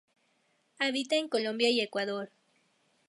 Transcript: Habita en Colombia y Ecuador.